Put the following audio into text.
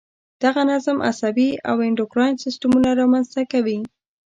دغه نظم عصبي او انډوکراین سیستمونه را منځته کوي.